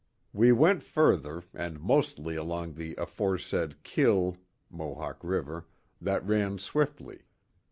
We went further, and mostly along the aforesaid kil [Mo hawk River] that ran swiftly.